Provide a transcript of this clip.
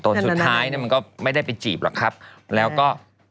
ตัวสุดท้ายก็ทำไมไม่ได้ไปจีบแล้วก็